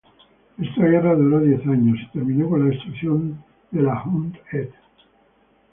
Esta guerra duró diez años y terminó con la destrucción de la Hun Ett.